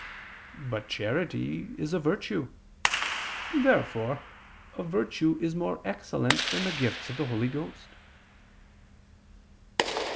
But charity is a virtue. Therefore a virtue is more excellent than the gifts of the Holy Ghost.